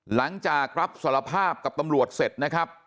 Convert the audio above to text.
หลังจากรับสารภาพกับตำรวจเสร็จนะครับ